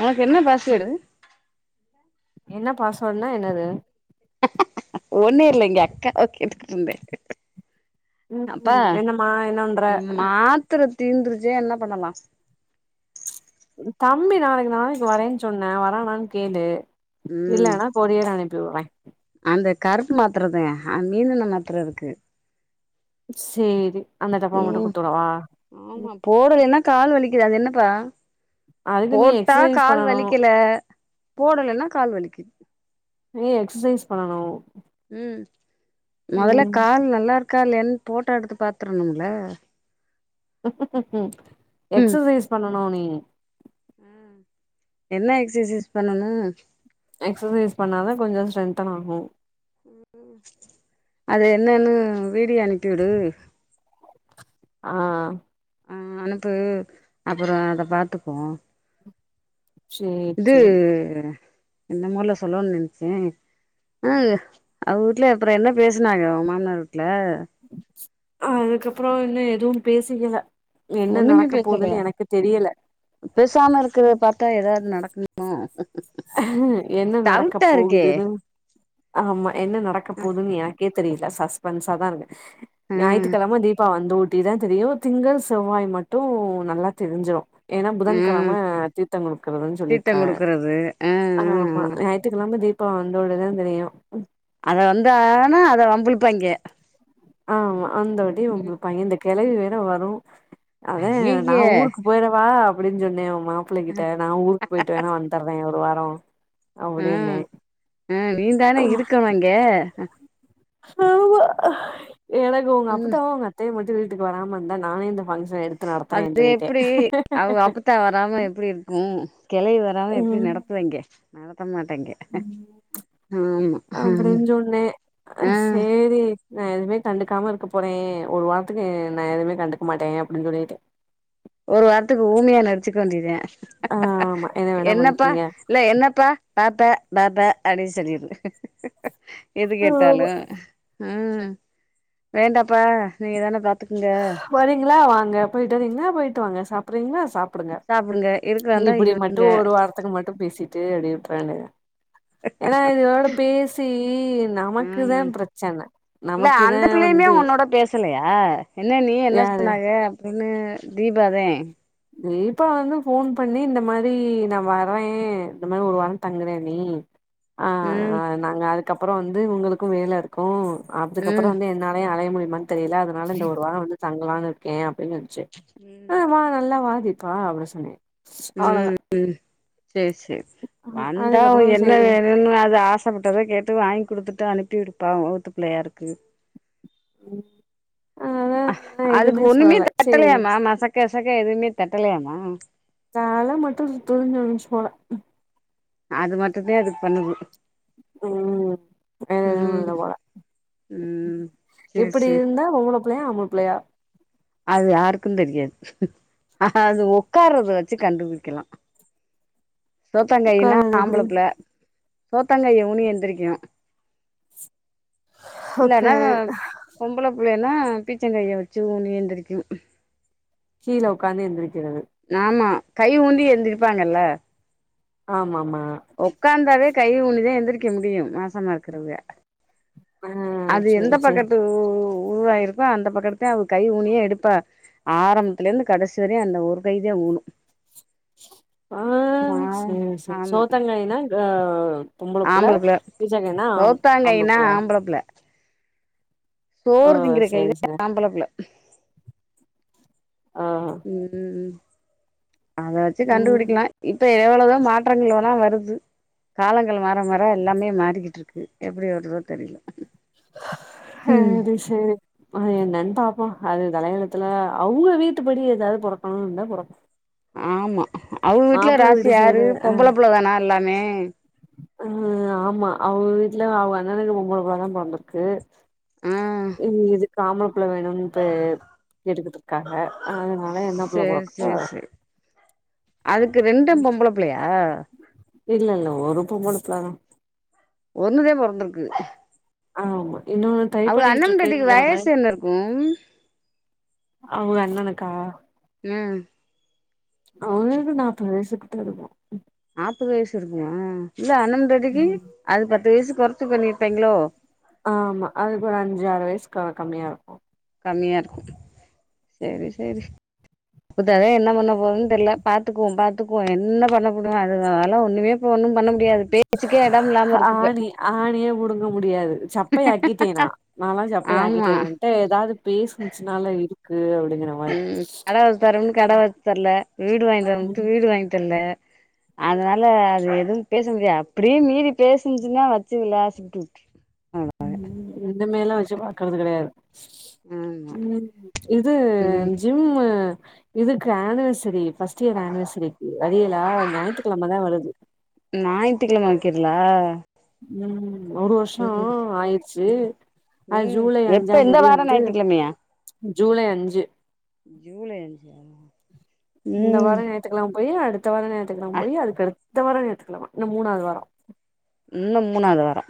உனக்கு என்ன பாஸ்வேர்டு என்ன பாஸ்வேர்ட்னா என்னது ஒண்ணு இல்லேங்க அக்காவ கேட்டுகிட்டிருந்தே உம் என்னம்மா என்னவண்ற இந்த மாத்திர தீந்துருச்சே என்ன பண்ணலா தம்பி நாளைக்கு நாளைக்கு வரேன்னு சொன்னா வரானான்னு கேளு ம் இல்லேனா கொரியர் அனுப் டுவாங் அந்த கருப்பு மாத்தரதே ஆ மீன் எண்ண மாத்தர இருக்கு சேரி அந்த டப்பா மட்டு உம் குடுத்துவிடவா ஆமா ம் போறது என்ன கால் வலிக் க்குது என்னப்பா அதுக்கு நீ போட்டா எக்சசைஸ் கால் பண்ணனு வலிக்கில போடலன்னா கால் வலிக்கு நீ எக்சசைஸ் பண்ணனு உம் மொதல்ல ம் கால் நல்லா ருக்கா இல்லையான்னு போட்டா எடுத்து பாத்துரணும்ல ம் எக்சசைஸ் பண்ணனு நீ உ என்ன எக்சசைஸ் பண்ணணு எக்சசைஸ் பண்ணாதா கொஞ்சொ ஸ்ட்ரென்த்தன் ஆகு அது என்னன்னு வீடியோ அனுப்பியுடு ஆஹ் ஆஹ் அனுப்பு அப்புறோ அத பாத்தப்போ சேரி இது சேரி என்னமோ முதல்ல சொல்லன்னனு நினச்சே ஆஹ் அவ வீட்ல அப்புறோ என்ன பேசுனாங்க மாமனார் ல அதுக்கப்புறோ இன்னும் எதுவு பேசிக்கல என்ன ஒன்னுமே நடக்க போதுன்னு பேசலையா எனக்கு தெரியல பேசாம இருக்கிறதா பார்த்தா ஏதாவது நடக்கும் மா என்ன நடக்கப்போகுதுன்னு ஆமா என்ன நடக்கப் போதுன்னு எனக்கே தெரியில சஸ்பென்ஸா தா இருக்கு ஆ ஞாயித்துக்கெழம தீபா வந் தோ ஒட்டி தா தெரியும் திங்கள் செவ்வாய் மட்டும் நல்லா தெரிஞ்சிரும் ஏன்னா ஆ புதன்கெழம தீர்த்தோ குடுக்குறதுன்னு சீத்தம் சொல்லிருக்காங்க குடுக்கறது ஆ ஆ ஆமா ஆ ஞாயித்துக்கிழ தீபா வந்தோன்ன தா தெரியும் அவ வந்தானா அவள வம்பிழுப்பாய்ங்க ஆமா வந்தங்காட்டியு ம் ஒம்பிழுப்பாய்ங்க இந்த கெழவி வே என்ன வரும் அதான் நா ஐய்யய்ய ஊருக்கு போய்டவா அப்டின்னு சொன்னே மாப்பிள்ள கிட்ட நா ஊருக்கு போயிட்டு வேணா வந்தட்றேன் வரோம் அப்படின்னு அ நீ தான இருக்கணு அங்க ஆமா எனக்கு ஒங்க ம் அப்பத்தாவும் ஒங்க அத்தையு மட்டும் வீட்டுக்கு வராம இருந்தா நானே இந்த ஃபங் அது எப்டி அவ அப்பத்தா வராம எப்டி இருக்கும் கெழவி வராம எப்டி ம் நடத்துவாய்ங்க நடத் நடத்த மாட்டாங்க ஆமா அப்டின்னு சொன்னே அ ஆ சேரி நா எதுமே கண்டுக்காம இருக்க போறேன் ஒரு வாரத்துக்கு நா எதுமே கண்டுக்க மாட்டேன் அப்டின்னு சொல்லிட்டேன் ஒரு வாரத்துக்கு ஊமையா நடிச்சுக்க வேண்டிதா ஆமா என்ன வேணா என்னப்பா பண்ணிக்கங்க இல்ல என்னப்பா ப பப அப்டின்னு சொல்லிடு எது கேட்டாலு ம் வேண்டாப்பா நீங்கதான பாத் வரீங்களா ங்க போயிட்டு வரீங்களா போயிட்டு வாங்க சாப்புடுறீங்களா சாப் புடுங்க சாப்டுங்க இருக்கறாந்தா இப்படி மட்டு இருக்குங்க ஒரு வாரத்துக்கு மட்டு பேசிட்டு அப்படினுட்டுறா ஏன்னா இதோட பேசி நமக்குதா ம் பிரச்சன இல்ல அந்த நமக்குதான் பிள்ளையுமே வந்து உன்னோட பேசலையா என்ன நீ என்ன யாரு சொன்னாங்க இன்னு தீபாதே தீப்பா வந்து போன் பண்ணி இந்த மாரி நா வறேன் இந்த மாரி ஒரு வாரம் தங்குறே நீ ஆஹ் ம் ஆஹ் நாங்க அது அதுக்கப்புறோ வந்து உங்களுக்கு வேல இருக்கு அதுக்குக்கப்றோ ம் வந்து என்னாலயே அழய முடியுமானு தெரியல அதனால இந்த ஒரு வாரம் வந்து தங்கலான்னு இருக்கேன் ச்ச ம் உம் வா நல்லா பா தீப்பா அவள சொன்னே அவ்ளோதா ம் சேரி சேரி வந்தா அதுக்கப்புறோ என்ன சேரி வேணும்னு அத ஆசப்பட்டத கேட்டு வாங்கி் குடுத்துட் து அனுப்பி விடுப்பா மூத்த பிள்ளையா இருக்கு உம் அதுக்கு ஒண்ணுமே சேரி தட்டலையாமா மசக் கசக்க எதுவுமே தட்டலையாமா தல மட்டும் சுத்துது சொனுச்சு போல அது மட்டும்தா அதுக்கு பண்ணுது உம் எதுவும் ம் இல்ல போல ம் சேரி இப்படி சேரி இருந்தா பொம்பல புள்ளையா அம்பல புள்ளையா அது யாருக்கு தெரியாது அது உக்காறத வச்சு கண்டுபுடிக்கலா சோத்தாங்கையுனா உக்காறது எப்டி ஆம்புளப்புள்ள சோத்தாங்கைய ஊனி எந்திரிக்கணு ஓகே இல்லனா பொம்பள புள்ள ன்னா பீச்சாங்கைய வச்சு ஊனி ஏந்திரிக்கு கீழ உக்காந்து ஏந்திரிக்கிறது ஆமா கை ஊந்தி எந்திருப்பாங்கல்ல ஆமா ஆமா ஒக்காந்தாவே கை ஊனிதா எந்திரிக்க முடியு மாசமா இருக்கிறவங்க ஆ அது எந்த சேரி சேரி பக்கட்டு உ உருவாயிருக்கோ அந்த பக்கட்டு தா அவ கை ஊனியே எடுப்பா ஆரம்பத்துலந்து கடைசி வரையு அந்த ஒரு கைதா ஊணு ஆஹ் செரி செரி சோத்தாங்கைனா ஆஹ் ஆம்பளப்புள்ள ஆம்பள சோத்தாங்கைனா புள்ளையா ஆம்பளப்புள்ள ஓ சோறுதிங்கிற கை சேரி தா சேரி ஆம்பளப்புள்ள ஆ உம் உம் அத வச்சு ம் கண்டுபிடிக்கலா இப்ப எவ்ளோ தா மாற்றங்கள்ளா வருது காலங் கள் மாற மாற எல்லாமே மாறிக்கிட்டு இருக்கு எப்டி வருதோ தெரில ம் அது செரி ஆ என்னனு பாப்போ அது தலயெழுத்துல அவுக வீட்டு படி ஏதாவது பொறக்கணும்ருந்தா பொறக்கூ ஆமா அவுக வீட்ல ராசி யாரு சைடு பொம்பள புள்ளதானா எல்லாமே ஆஹ் ஆமா அவுக வீட்ல அவுக அண்ணனுக்கு பொம்பளப்புள்ள தா பொறந்துருக்கு ஆ உம் இது [unintelligible] புள்ள வேணும்னுட்டு கேட்டுக்கிட்டு இருக்காங்க அதனால என்ன புள்ள சேரி பொறக்குதோ சேரி சேரி அதுக்கு ரெண்டு பொம்பள பிள்ளையா இல்ல இல்ல ஒரு பொம்பளப் புள்ள தா ஒண்ணுதே பொறந்துருக்கு ஆமா மா அவுங்க அண்ணே பொண்டாட்டிக்கு வயசு என்ன இருக்கு அண்ணணுக்கா உம் அவுங்களுக்கு நாப்பது வயசு கிட்டக்க இருக்கு நாப்பது வயசு இருக்குமா இல்ல அண்ணம் பொண்டாட்டிக்கு ம். அது பத்து வயசு கொறச்சு பண்ணிருப்பாய்ங்களோ ஆமா அதுக்கு ஒரு அஞ்சு ஆறு வயசு கா கம்மியா இருக்கு கம்மியா இருக்கு செரி செரி இததே என்ன பண்ண போது தெரில பாத்துக்குவோ பாத்துக்குவோ என்ன பண்ண முடியு அதுனால ஒன்னுமே பண்ண மு டியாது பேச்சுக்கே எடம் இல்லாம இருக்கு இப்ப ஆணி ஆணியே புடுங்க முடியாது சப்பைையாக்கிட்டேனா நாலாம் ஆமா சப்பைையாக்கிட்டேன் என்ட்ட ஏதாவது பேசுசினாலே இருக்கு கு ம் கட வச்சு தரோம்னு கட வச்சு தரல வீடு வாங்கி தரம்ட்டு ம் வீடு வாங்கி தர்ல அதனால அது எதுவும் பேச முடியாது அப்படியே மீறி பேசுனிச்சுன்னா வச்சு விலாசிட்ரு ம் ம் இந்த மேல்லா வச் சிப் பாக்குறது கடையாது ஆமா ம் இது ம் ஜிம்மு இதுக்கு ஆனிவர்சரி ஃபஸ்ட்டியர் ஆனிவர்சரிக்கு வரியலா ஞாயித்திக் கிழமதா வருது கீர்ளா ம் ஒரு வர்ஷோ ஆயிட்ச்சி அது ம் ஜூலை எப்ப அஞ்சாந் இந்த தேதியே வார வந்து ஞாயித்துக்கிழமையா ஜூலை அஞ்சு சா இந்த வாரொ ஞாத்துகெழம் போயி அடுத் த வாரொ ஞாய்த்துக்கிழம அ போயி அதுக்கடுத் த வாரொ ஞாய்த்துக்கிழம இன்ன மூணாவ்து வாரொ இன்னு மூணாவ்து வாரொ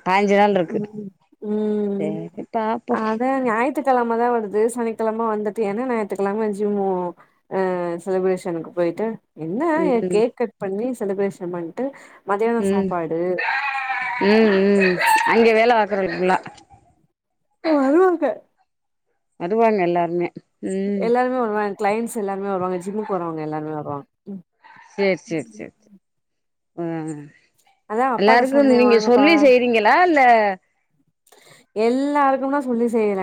ம் ம் சேரி பாப்போ அதா ஞாய்த்துக்கெழமதா வ ந்து சனிக்கெழம வந்துட்டு ஏன்னா ஞாய்த்துக்கிழம ஜிம் ஓ ஆ செலிப்ரேஷனுக்கு போயிட்டு என்னா எ ம் கேக் கட் பண்ணி செலிப்ரேஷன் பண்ட்டு மதியானோ ம் சாப்பாடு ம் ம் அங்கே வேல வாக்குறவங்குல்லா வருவாங்க வருவாங்க எல்லார்மே எல்லாருமே வருவாங் க்ளைண்ட்ஸ் எல்லார்மே வருவாங்க ஜிம்முக்கு வருவாங்க எல்லாருமே வருவாங் சேர் சேர் சேர் சே ஓஆ அதா அப்பாட்ட எல்லாருக்கு சொன்னே நீங்க சொல்லி செய்றீங்களா இல்ல எல்லாருக்கு நா சொல்லி செய்ற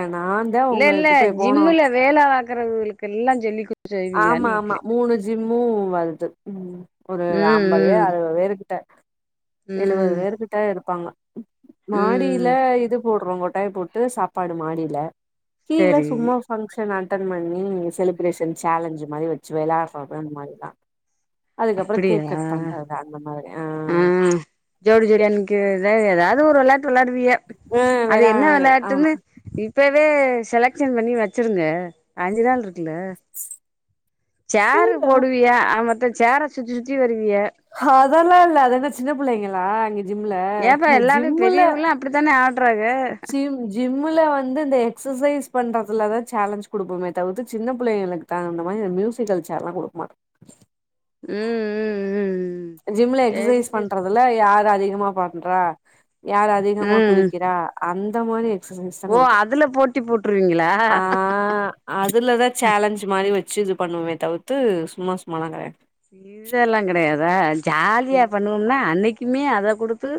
இல்லல்ல ஜிம்முல வேல பாக்கறவுகளுக்கெல்லா சொல்லி குடு ஆமாமா மூணு ஜிம் பூ வருது ம் ஒரு அம்பது பேரு ம் அறுவது பேரு கிட்ட ம் எழுவது ம் பேர்கிட்ட இருக் பாங்க மாடில ம் இது போடுறோ கொட்டாய் போட்டு சாப்பாடு மாடில கீழ சேரி சும்மா ஃபங்க்ஷன் [unintelligible] அட்டன் பண்ணி செலிப்ரேஷன் சேலஞ்சு மாரி வச்சு வெளாட்றோ ஜிம் மாரிதா அதுக்கப்றோ கேக் கட் பண்றது அந்த மாரி ஆ ம் ஜோடி ஜோடியா நிக்கறதே எதாது ஒரு வெளயாட்டு வெளையாடுவிய ஆ அது வெளா என்ன ஆமா வெளையாட்டுன்னு இப்ப இப்பவே செலக்சன் பண்ணி வச்சிருங்க அஞ்சு நாள்ருக் ட்ல சேரு போடுவியா ஆக மொத் சேர சுத்தி சுத்தி வருவீக ஹாத் அதெல்லா இல்ல அது என்ன சின்ன புள்ளைங்ளா அங்க ஜிம்ல ஏன்பா எல்லாரு ஜிம்முல பெரியவகலா அப்டிதானே ஆ ஜிம் ஜிம்முல வந்து இந்த எக்சசைஸ் பண்றதுல தா சேலஞ்ச் குடுப்பமே தவித்து சின்ன புள்ளைங்ளுக்கு தகுந்த மாரி இந்த மியூசிகல் சேர்லா குடுக்க மாட்டோ ம் ம் ம் ஜிம்ல சேரி எக்சசைஸ் சேரி பண்றதுல யாரு அதிகமா ப ன்றா யார் அதிகமா ம் குளிக்கிறா அந் ந்த மாரி சீசன்தா ஓ கொடுக்கு அதுல போட்டி போட்டுருவீங்களா ஆ ஆ அதுலதா சேலஞ்ச் மாரி வெச் சிஜி பண்ணுவமே தவுத்து சும்மா சும்மாலங் கெடையாது இது எல்லா கெடையாதா ஜாலியா ம் பண்ணுவோம்னா அன்னைக் திம்மியா அத குடுத்து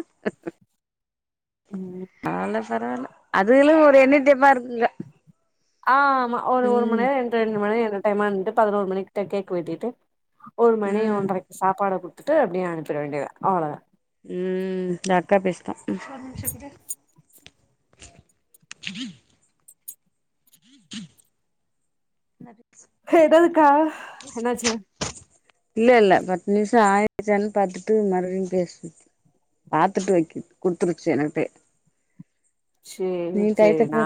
ம் நாலாசரவல அதுகலு ஒரு என்னடெப்பா இருக்குங்க ஆ ம ஒரு ஒரு மண் ம் நேரொ ரெண்ர ரெண்டு மணி இரு டைமா இருந்துட்டு பதினோர் மணிக்கிட்ட கேக் வெட்டிட்டு ஒரு மணி ம் ஒன்ரைக் சாப்பாட குடு த்துட்டு அப்டியே அனுப்பிட வேண்டியதா அவ்ளோதா ம் இந்தா அக்கா பேசுதா ம் எதாவதுக்கா என்னாச்சு இல்ல இல்ல பத்து நிமிஷம் ஆயிடுச்சா பாத்துட்டு மறுபடி பேசு இல்ல இல்ல பாத்துட்டு வைக்கு கொடுத்துடுச்சு எனகிட்டே சரி சரி நா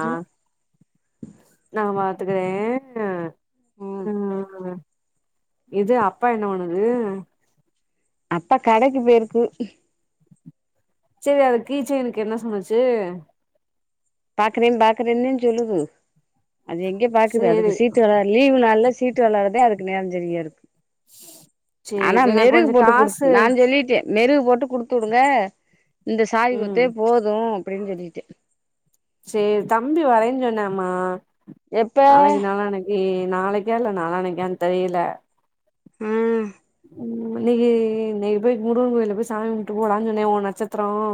நா பாத்துக்கறேன் ம் ஹ்ம்ம் ம் இது அப்பா என்ன பண்ணுது அப்பா கடைக்கு போயிருக்கு சரி அது கிச்சைன் கு என்ன சொன்னச்சு பாக்கரம் பாக்கரேணு தேன் சொல்லுது அது எங்கே பாக்குது அதுக்கு சேரி சீட்டு லீவ் நல்ல சீட்டு விளாறே அதுக்கு நேரம் சரியா இருக்கு சேரி ஆனா சேரி நா மெருகு கொஞ்சோ போட்டு காசு கொடுத்தன் நா சொல்லிட்டேன் மெருகு போட்டு குடுத்து விடுங்க இந்த சாய ம் கொத்தே போதும் அப்படின்னு சொல்லிட்டு சரி தம்பி வரைஞ்சோன்னாம அவனுக்கு எப்ப நாலாண்டைக்கி நாளைக்கே இல்ல நாளானக்கான்னு தெரியல ஹ்ம் உம் இன்னைக்கு இன்னைக்கு போய் முருகன் கோயில போய் சாமி மட்டு போலாங்கன்னே உன் நட்சத்திரம்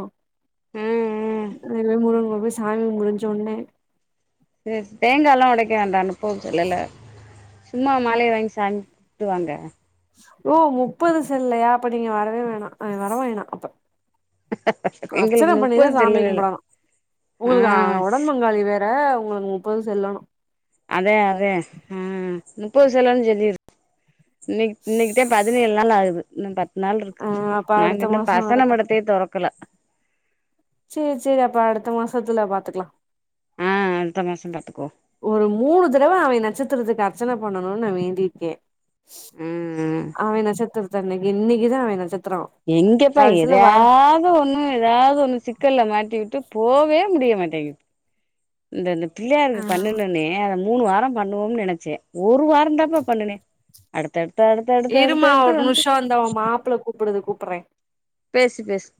ம் ம் இவே முருங்க சாமி முடிஞ்ச உனே சரி தேங்காய் எல்லா உடைக்க வேண்டற நுப்பது செல்லல சும்மா மாலை வாங்கி சாமி கும்பிட்டு வாங்க ஓ முப்பது செல்ல இல்லையா அப்ப நீங்க வரவே வேணாம் வரவோயணாம் அப்ப எங்களுக்கு அர்ச்சன பண்ணிதா முப்பது சாமி செல்லல கும்பிடணும் ஆ உங்களுக்கு உடன் பங்காளி வேற ஹ்ம்ம் உங்களுக்கு முப்பது செல்லணும் அதே அதே ஹ்ம்ம் முப்பது செலனு சொல்லிரு இன்னைக்கு இன்னைக்குதே பதினேழு நாள் ஆகுது இன்னு பத் நாள் இருக்கு ஆ அப்ப அடுத்த நாங்க இன்னும் மாசம் பசன மடத்தைய துறக்கலா சரி சரி அப்ப அடுத்த மாசத்துல பாத்துக்கலாம் ஆஹ் அடுத்த மாசம் பாத்துக்கோம் ஒரு மூணு தடவை அவை நட்சத்திரத்துக்கு அர்ச்சனை பண்ணணும்னு நா வேண்டியிருக்கேன் ம் அவ நட்சத்திர இன்னிக்குதா அவ நட்சத் எங்கப்பா ஏதாவது ஒண்ணு ஏதாவது ஒண்ணு ச க்கல்ல மாட்டி விட்டு போவே முடிய மாட்டேங்க இது பிள்ளையா ஆ இருக்கு பண்ணன்னே மூணு வாரம் பண்ணுவோம்னு நினைச்சேன் ஒரு வாரம் தாப்பா பண்ணுன அடுத்தடு இருமா ஒரு நிமிஷம் வந்த மாப்பிளை கூப்பிடுது கூப்பர பேசு பேசு